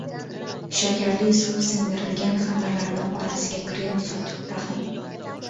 Shakarli suv singdirilgan xamirlarni orasiga krem surtib taxlang